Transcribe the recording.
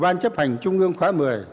ban chấp hành trung ương khóa một mươi